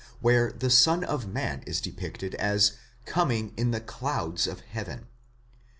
where the Son of man is depicted as coming 7" the clouds of heaven.